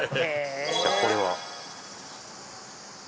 じゃこれは？